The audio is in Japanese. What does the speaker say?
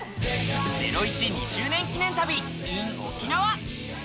『ゼロイチ』２周年記念旅ＩＮ沖縄。